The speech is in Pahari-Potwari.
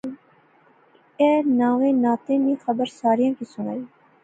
ایہہ ناوے ناطے نی خبر ساریاں کی سنائی